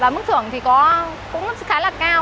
mức thưởng thì cũng khá là cao